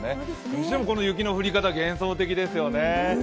しかも、この雪の降り方、幻想的ですよね。